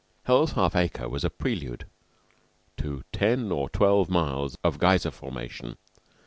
Hell's Half Acre was a prelude to ten or twelve miles of geyser formation.